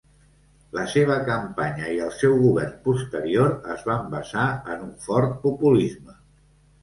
La seva campanya i el seu govern posterior es van basar en un fort populisme.